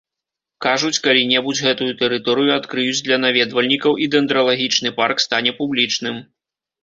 Кажуць, калі-небудзь гэтую тэрыторыю адкрыюць для наведвальнікаў, і дэндралагічны парк стане публічным.